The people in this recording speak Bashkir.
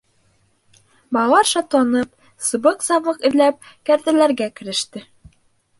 Балалар шатланып, сыбыҡ-сабыҡ эҙләп, кәртәләргә кереште.